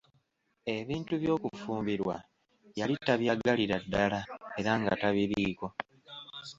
Ebintu by'okufumbirwa yali tabyagalira ddala era nga tabiliiko.